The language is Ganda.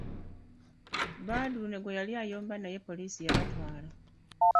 Badru ne gwe yali ayomba naye poliisi yabatwala.